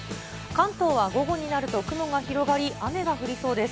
関東は午後になると雲が広がり、雨が降りそうです。